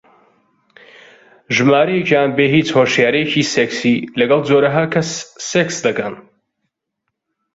ژمارەیەکیان بێ هیچ هۆشیارییەکی سێکسی لەگەڵ جۆرەها کەس سێکس دەکەن